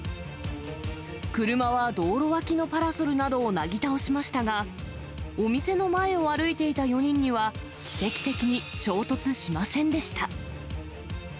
車は道路脇のパラソルなどをなぎ倒しましたが、お店の前を歩いていた４人には、奇跡的に衝突しませんでした。